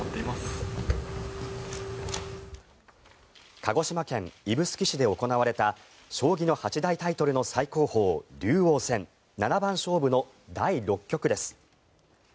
鹿児島県指宿市で行われた将棋の八大タイトルの最高峰竜王戦七番勝負の第６局です。